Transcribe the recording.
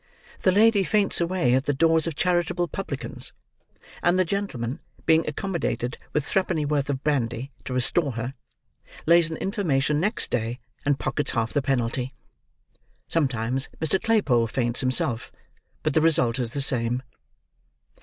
The lady faints away at the doors of charitable publicans, and the gentleman being accommodated with three penny worth of brandy to restore her, lays an information next day, and pockets half the penalty. Sometimes Mr. Claypole faints himself, but the result is the same.